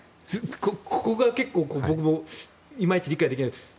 ここが結構いまいち理解できない。